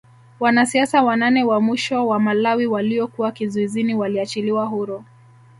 Wanasiasa wanane wa mwisho wa Malawi waliokuwa kizuizini waliachiliwa huru